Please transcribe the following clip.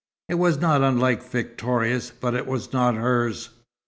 It was not unlike Victoria's but it was not hers.